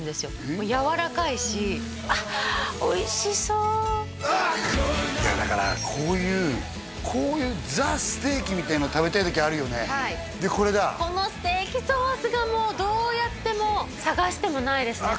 もうやわらかいしあっおいしそういやだからこういうこういうザ・ステーキみたいなの食べたい時あるよねでこれだこのステーキソースがもうどうやってもさがしてもないですね